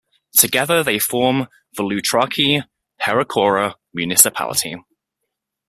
Together they form the Loutraki-Perachora Municipality.